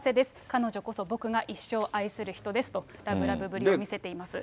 彼女こそ僕が一生愛する人ですと、ラブラブぶりを見せています。